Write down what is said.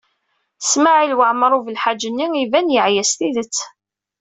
Smawil Waɛmaṛ U Belḥaǧ-nni iban yeɛya s tidet.